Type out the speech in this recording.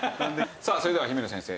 さあそれでは姫野先生